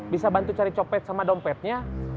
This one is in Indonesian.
bisa bantu cari copet sama dompetnya